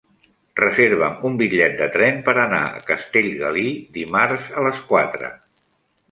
Reserva'm un bitllet de tren per anar a Castellgalí dimarts a les quatre.